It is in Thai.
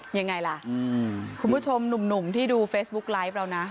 ยังไงล่ะคุณผู้ชมหนุ่มที่ดูเฟซบุ๊กไลฟ์เรานะ